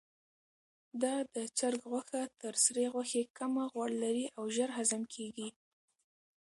دا د چرګ غوښه تر سرې غوښې کمه غوړ لري او ژر هضم کیږي.